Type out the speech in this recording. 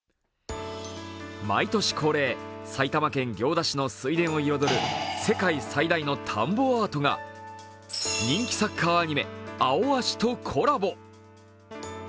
毎年恒例、埼玉県行田市の水田を彩る世界最大の田んぼアートが人気サッカーアニメ「アオアシ」とコラボ。